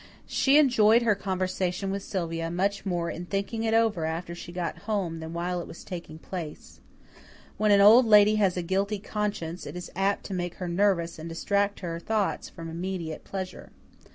She enjoyed her conversation with Sylvia much more in thinking it over after she got home than while it was taking place. When an Old Lady has a guilty conscience, it is apt to make her nervous and distract her thoughts from immediate pleasure.